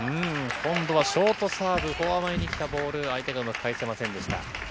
今度はショートサーブ、フォア前に来たボール、相手がうまく返せませんでした。